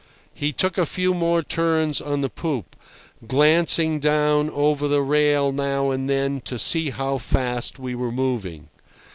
He took a few more turns on the poop, glancing down over the rail now and then to see how fast we were moving.